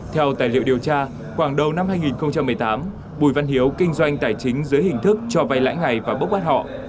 theo tài liệu điều tra khoảng đầu năm hai nghìn một mươi tám bùi văn hiếu kinh doanh tài chính dưới hình thức cho vay lãi ngày và bốc bắt họ